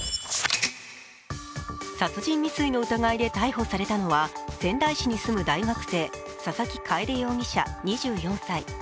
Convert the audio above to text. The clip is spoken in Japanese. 殺人未遂の疑いで逮捕されたのは仙台市に住む大学生佐々木楓容疑者２４歳。